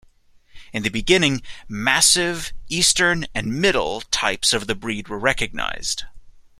In the beginning, "Massive," "Eastern," and "Middle" types of the breed were recognized.